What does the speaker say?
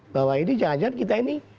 bahwa ini jangan jangan kita ini